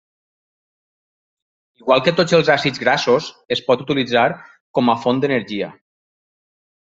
Igual que tots els àcids grassos, es pot utilitzar com a font d'energia.